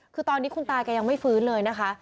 คือตอนนี้คุณตาแกยังไม่ฟื้นเลยนะคะ